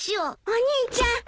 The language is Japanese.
お兄ちゃん！